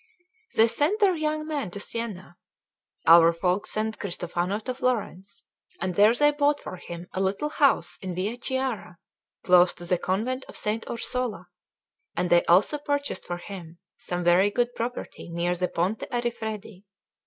They sent their young man to Siena. Our folk sent Cristofano to Florence; and there they bought for him a little house in Via Chiara, close to the convent of S. Orsola, and they also purchased for him some very good property near the Ponte a Rifredi.